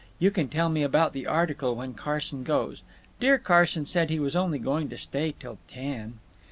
You can tell me about the article when Carson goes. Dear Carson said he was only going to stay till ten."